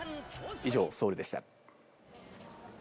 以上、ソウルでした。